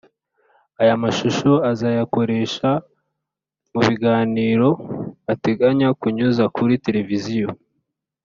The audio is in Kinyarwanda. Aya mashusho azayakoresha mu biganiro ateganya kunyuza kuri televisiyo